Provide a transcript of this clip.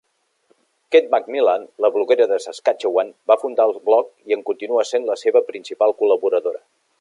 Kate McMillan, la bloguera de Saskatchewan, va fundar el blog i en continua sent la seva principal col·laboradora.